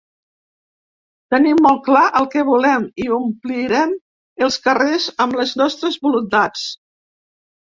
Tenim molt clar el que volem i ompliren els carrers amb les nostres voluntats!